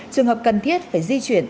trường hợp cần thiết phải di chuyển